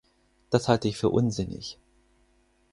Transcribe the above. Das halte ich für unsinnig.